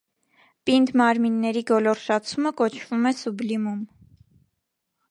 Պինդ մարմինների գոլորշացումը կոչվում է սուբլիմում։